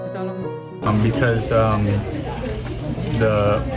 karena orang yang diperlukan adalah anak muda